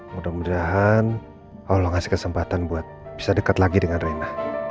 mudah mudahan allah kasih kesempatan buat bisa dekat lagi dengan rena